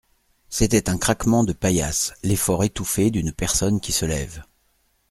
C'était un craquement de paillasse, l'effort étouffé d'une personne qui se lève.